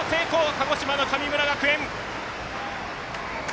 鹿児島の神村学園。